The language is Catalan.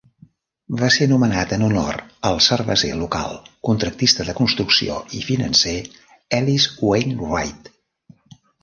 Va ser nomenat en honor al cerveser local, contractista de construcció, i financer Ellis Wainwright.